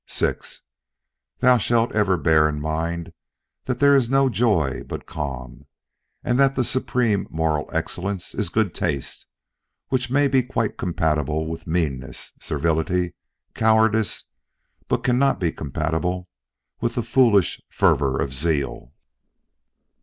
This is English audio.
VI. Thou shalt ever bear in mind that there is no joy but calm, and that the supreme moral excellence is good taste, which may be quite compatible with meanness, servility, and cowardice, but cannot be compatible with the foolish fervor of zeal.